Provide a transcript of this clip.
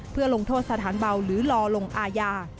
เพื่อลงโทษสถานเบาหรือรอลงอาญา